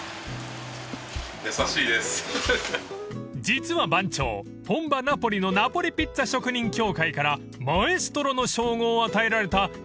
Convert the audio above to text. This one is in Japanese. ［実は番長本場ナポリのナポリピッツァ職人協会からマエストロの称号を与えられた生粋のピッツァ職人］